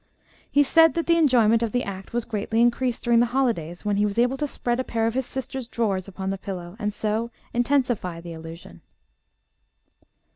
He said that the enjoyment of the act was greatly increased during the holidays, when he was able to spread a pair of his sister's drawers upon the pillow, and so intensify the illusion.